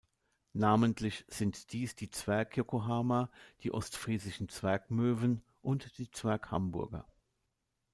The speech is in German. Namentlich sind dies die Zwerg-Yokohama, die Ostfriesischen Zwerg-Möwen und die Zwerg-Hamburger.